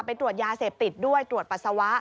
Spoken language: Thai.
ไปตรวจยาเสพติดด้วยตรวจปัสสาวะ